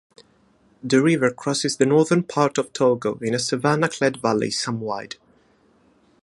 The river crosses the northern part of Togo in a savannah-clad valley some wide.